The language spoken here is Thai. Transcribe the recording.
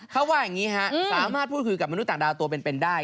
เขาว่าอย่างนี้ฮะสามารถพูดคุยกับมนุษย์ดาวตัวเป็นได้